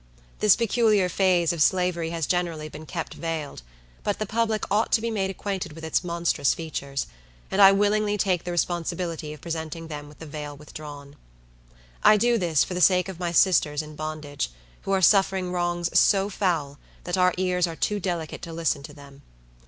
This peculiar phase of Slavery has generally been kept veiled; but the public ought to be made acquainted with its monstrous features, and I willingly take the responsibility of presenting them with the veil withdrawn. I do this for the sake of my sisters in bondage, who are suffering wrongs so foul, that our ears are too delicate to listen to them.